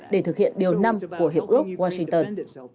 để thực hiện điều năm của hiệp ước washington